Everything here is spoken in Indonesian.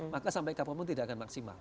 maka sampai kapanpun tidak akan maksimal